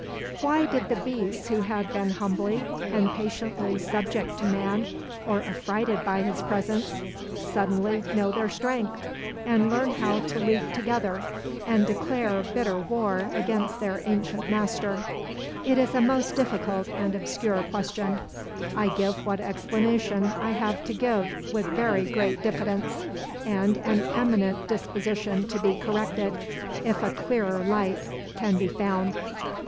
Why did the beasts who had been humbly and patiently subject to man, or affrighted by his presence, suddenly know their strength and learn how to league together, and declare bitter war against their ancient master? It is a most difficult and obscure question. I give what explanation I have to give with very great diffidence, and an eminent disposition to be corrected, if a clearer light can be found.